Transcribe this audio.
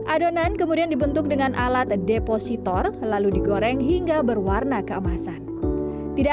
adonan kemudian dibentuk dengan alat depositor lalu digoreng hingga berwarna keemasan tidak